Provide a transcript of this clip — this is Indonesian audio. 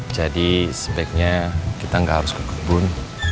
jadi sebaiknya kita gak harus ke kebun